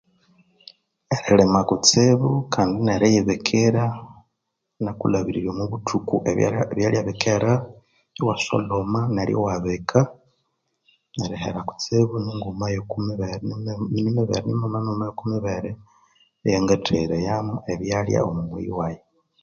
Erilima kutsibu kandi neriyibikira nakulhabirirya omubuthuku ebyalya bikera iwasolhoma neryo iwabika neriher kutsibu ninguma yokumibere ngatheghayamo ebyalya mwihika lyaghe